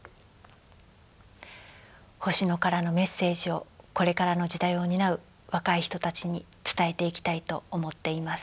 星野からのメッセージをこれからの時代を担う若い人たちに伝えていきたいと思っています。